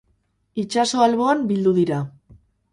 Itsaso alboan bildu dira.